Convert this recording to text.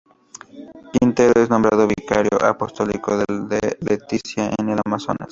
Quintero es nombrado Vicario Apostólico de Leticia, en el Amazonas.